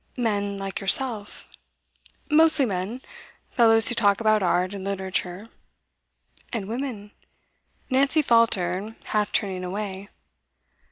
'Men, like yourself?' 'Mostly men, fellows who talk about art and literature.' 'And women?' Nancy faltered, half turning away.